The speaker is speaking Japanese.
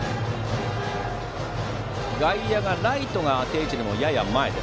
外野はライトが定位置よりやや前。